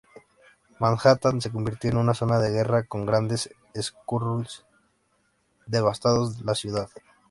Manhattan se convirtió en una zona de guerra con grandes Skrulls devastando la ciudad.